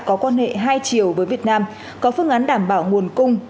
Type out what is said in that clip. có quan hệ hai chiều với việt nam có phương án đảm bảo nguồn cung